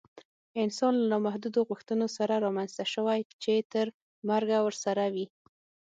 انسان له نامحدودو غوښتنو سره رامنځته شوی چې تر مرګه ورسره وي